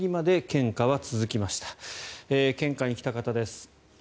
献花に来た方です。